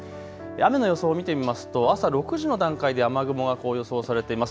雨の予想を見てみますと朝６時の段階で雨雲が予想されています。